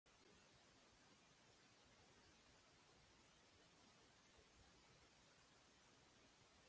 Tal fue el caso de Vaughan Williams, Mahler y Philip Glass.